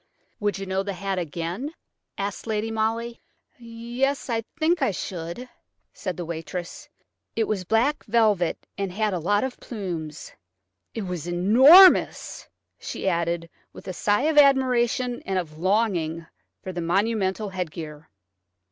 "Would you know the hat again?" asked Lady Molly. "Yes–I think I should," said the waitress. "It was black velvet and had a lot of plumes. It was enormous," she added, with a sigh of admiration and of longing for the monumental headgear.